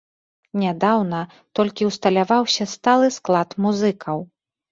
Нядаўна толькі усталяваўся сталы склад музыкаў.